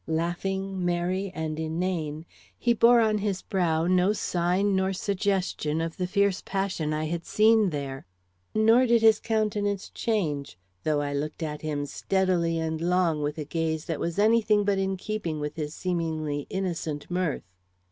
Laughing, merry, and inane, he bore on his brow no sign nor suggestion of the fierce passion I had seen there, nor did his countenance change, though I looked at him steadily and long with a gaze that was any thing but in keeping with his seemingly innocent mirth.